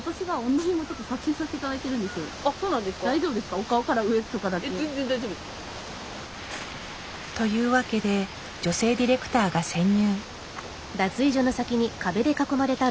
お顔から上とかだけ。というわけで女性ディレクターが潜入。